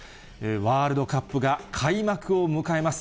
ワールドカップが開幕を迎えます。